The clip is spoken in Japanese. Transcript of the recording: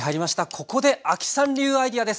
ここで亜希さん流アイデアです。